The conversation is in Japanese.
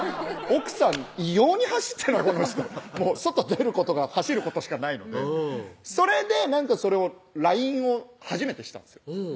奥さん異様に走ってんなこの人外出ることが走ることしかないのでそれでなんかそれをＬＩＮＥを初めてしたんですよ